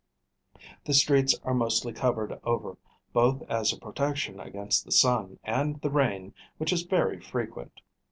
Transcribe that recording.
The streets are mostly covered over, both as a protection against the sun, and the rain, which is very frequent.